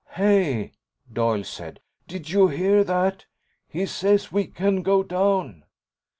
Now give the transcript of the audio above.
"Hey," Doyle said, "did you hear that? He says we can go down."